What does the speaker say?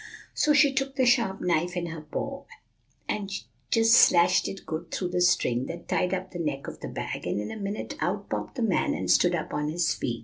So she took the sharp knife in her paw, and she just slashed it good through the string that tied up the neck of the bag, and in a minute out popped the man, and stood up on his feet.